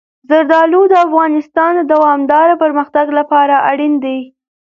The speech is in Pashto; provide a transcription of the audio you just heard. زردالو د افغانستان د دوامداره پرمختګ لپاره اړین دي.